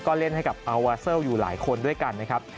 ก็เล่นให้กับอัลวาเซลอยู่หลายคนด้วยกันนะครับ